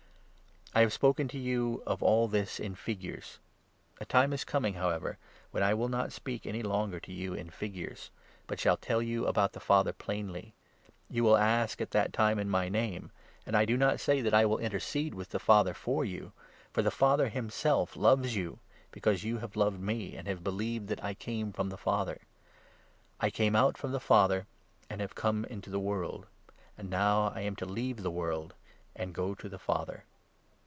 I have spoken to you of all this in figures ; a time is 25 coming, however, when I shall not speak any longer to you in figures, but shall tell you about the Father plainly. You 26 will ask, at that time, in my Name ; and I do not say that I will intercede with the Father for you ; for the Father himself 27 loves you, because you have loved me, and have believed that I came from the Father. I came out from the Father, and 28 have come into the world ; and now I am to leave the world, and go to the Father."